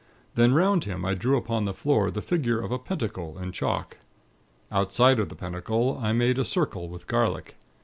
Then, 'round him, I drew upon the floor the figure of a Pentacle, in chalk. Outside of the Pentacle, I made a circle with garlic.